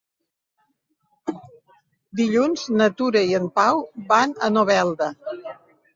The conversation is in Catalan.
Dilluns na Tura i en Pau van a Novelda.